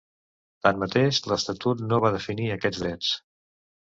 Tanmateix, l'estatut no va definir aquests drets.